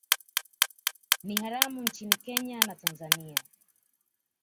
Ni haramu nchini Kenya na Tanzania